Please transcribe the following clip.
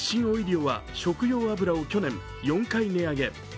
オイリオは食用油を去年４回値上げ。